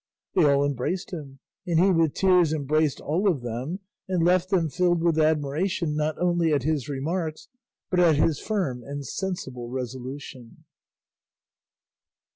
They all embraced him, and he with tears embraced all of them, and left them filled with admiration not only at his remarks but at his firm and sensible resolution.